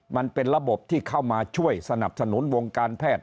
มันเป็นระบบที่เข้ามาช่วยสนับสนุนวงการแพทย์